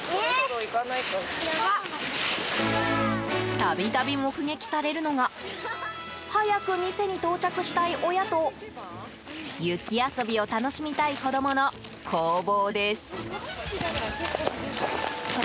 度々目撃されるのが早く店に到着したい親と雪遊びを楽しみたい子供の攻防です。